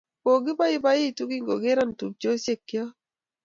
Kogipoipoitu kingero tupchosyek chok